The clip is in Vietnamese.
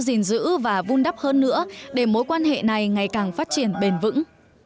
gìn giữ và vun đắp hơn nữa để mối quan hệ này ngày càng phát triển bền vững